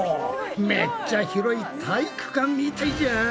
めっちゃ広い体育館みたいじゃん！